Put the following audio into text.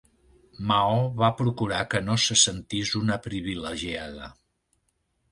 Mao va procurar que no se sentís una privilegiada.